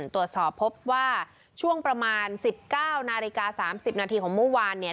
ตรวจสอบพบว่าช่วงประมาณ๑๙นาฬิกา๓๐นาทีของเมื่อวานเนี่ย